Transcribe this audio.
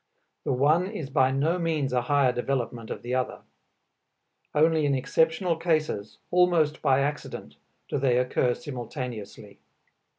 The one is by no means a higher development of the other; only in exceptional cases, almost by accident, do they occur simultaneously.